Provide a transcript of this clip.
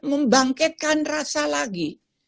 membangkitkan rasa lagi